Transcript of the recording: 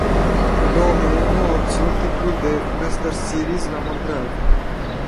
În două mii unu a obținut titlul de Master Series, la Montreal.